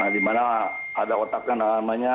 di mana ada otaknya namanya